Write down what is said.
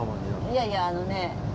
いやいやあのね。